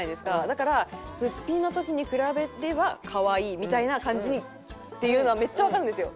だから「すっぴんの時に比べればかわいい」みたいな感じにっていうのはめっちゃわかるんですよ。